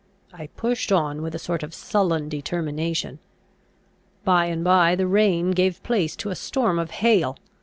I pushed on with a sort of sullen determination. By and by the rain gave place to a storm of hail.